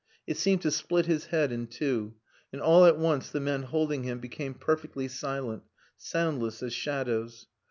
It seemed to split his head in two, and all at once the men holding him became perfectly silent soundless as shadows.